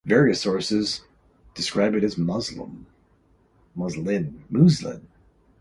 Various sources describe it as muslin.